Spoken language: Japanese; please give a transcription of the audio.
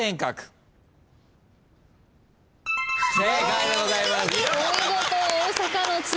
正解でございます。